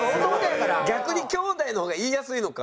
逆に兄弟の方が言いやすいのか。